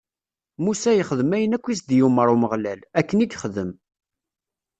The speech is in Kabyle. Musa yexdem ayen akk i s-d-yumeṛ Umeɣlal, akken i yexdem.